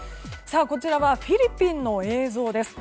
こちらはフィリピンの映像です。